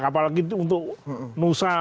apalagi untuk musa